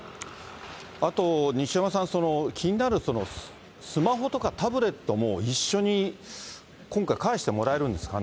あと西山さん、その気になるスマホとかタブレットも一緒に今回、返してもらうんですかね。